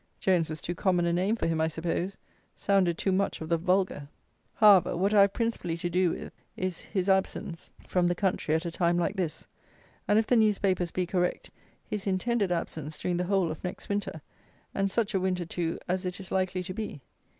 "Jones" was too common a name for him, I suppose! Sounded too much of the vulgar! However, what I have principally to do with, is, his absence from the country at a time like this, and, if the newspapers be correct, his intended absence during the whole of next winter; and such a winter, too, as it is likely to be!